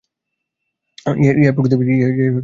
ইহাই প্রকৃতির বিধান, ইহাই জীবন-দর্শন।